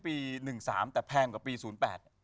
มี๑๓แต่แพงเดี๋ยวกว่าปี๐๘นี้